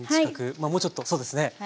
まあもうちょっとそうですね。